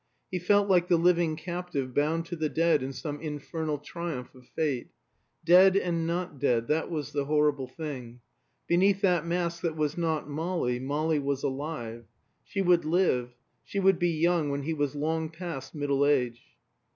He felt like the living captive bound to the dead in some infernal triumph of Fate. Dead and not dead that was the horrible thing. Beneath that mask that was not Molly, Molly was alive. She would live, she would be young when he was long past middle age.